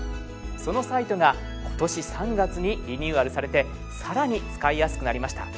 そのサイトが今年３月にリニューアルされて更に使いやすくなりました。